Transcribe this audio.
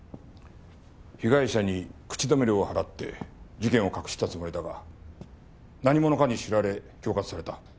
被害者に口止め料を払って事件を隠したつもりだが何者かに知られ恐喝された。